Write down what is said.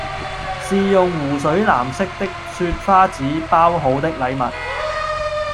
是用湖水藍色的雪花紙包好的禮物，